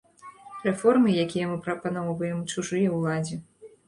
Рэформы, якія мы прапаноўваем, чужыя ўладзе.